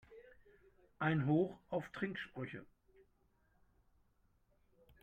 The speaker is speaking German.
Ein Hoch auf Trinksprüche!